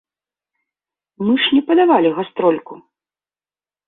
Мы ж не падавалі гастрольку.